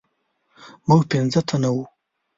موږ پنځه تنه وو.